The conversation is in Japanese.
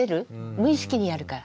無意識にやるから。